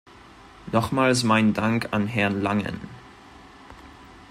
Nochmals meinen Dank an Herrn Langen.